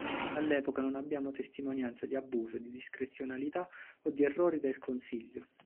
All'epoca non abbiamo testimonianza di abuso di discrezionalità o di errori del Consiglio.